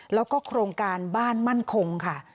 แล้วก็โครงการบ้านมั่นคงค่ะ